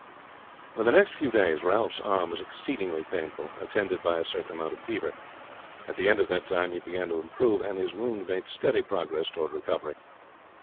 For the next few days Ralph's arm was exceedingly painful, attended by a certain amount of fever. At the end of that time he began to improve, and his wound made steady progress toward recovery.